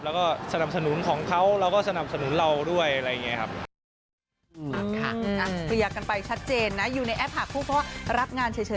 แล้วก็สนับสนุนของเขาเราก็สนับสนุนเราด้วยอะไรอย่างนี้ครับ